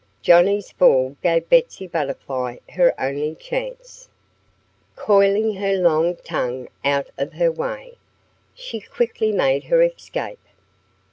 Johnnie's fall gave Betsy Butterfly her only chance. Coiling her long tongue out of her way, she quickly made her escape.